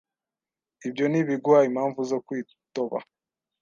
Ibyo ntibiguha impamvu zo kwitoba.